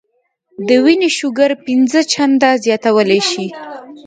د وينې شوګر پنځه چنده زياتولے شي -